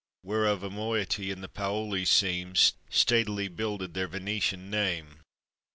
Whereof a moiety in the Paolis' seams Statelily builded their Venetian name.